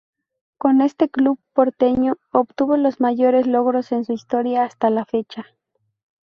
Con este club porteño obtuvo los mayores logros en su historia, hasta la fecha.